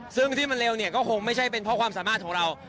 ซึ่งที่มันเร็วเนี่ยก็คงไม่ใช่เป็นเพราะความสามารถของเรา